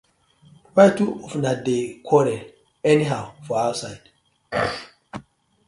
Why two of una dey quarel anyhow for ouside.